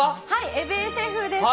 江部シェフです。